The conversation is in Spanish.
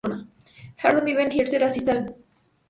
Hawthorn vive en Essex y asiste al Beverly Marks Stage School.